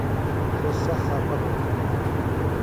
سوۡ سخت خپہ بِھلوۡ۔